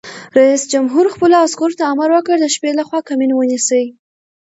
رئیس جمهور خپلو عسکرو ته امر وکړ؛ د شپې لخوا کمین ونیسئ!